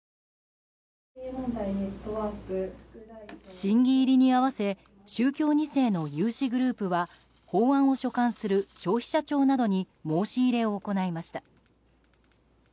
審議入りに合わせ宗教２世の有志グループは法案を所管する消費者庁などに申し入れを行いました。